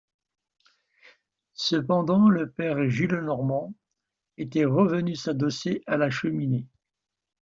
Cependant le père Gillenormand était revenu s’adosser à la cheminée.